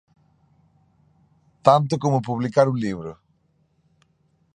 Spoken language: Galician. Tanto como publicar un libro.